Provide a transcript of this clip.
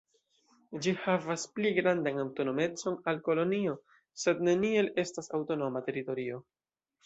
Ĝi havas pli grandan aŭtonomecon ol kolonio, sed neniel estas aŭtonoma teritorio.